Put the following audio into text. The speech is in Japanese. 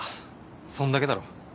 そんだけだろ。